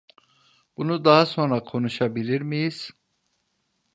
Bunu daha sonra konuşabilir miyiz?